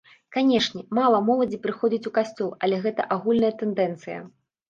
Канешне, мала моладзі прыходзіць у касцёл, але гэта агульная тэндэнцыя.